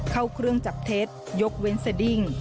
เข้าเครื่องจับเท็จยกเว้นสดิ้ง